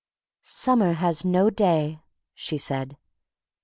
"Summer has no day," she said.